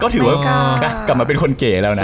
ก็ถือว่ากลับมาเป็นคนเก๋แล้วนะ